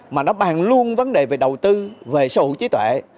mà nó bàn luôn vấn đề về đầu tư về sở hữu trí tuệ